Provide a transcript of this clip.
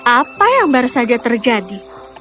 apa yang baru saja terjadi